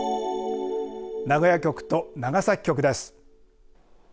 名古屋局と長崎局です。